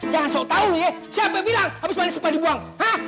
jangan sok tau lo ya siapa yang bilang abis manis apa dibuang